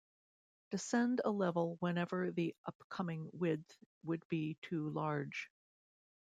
Descend a level whenever the upcoming width would be too large.